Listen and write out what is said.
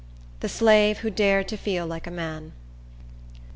The Slave Who Dared To Feel Like A Man.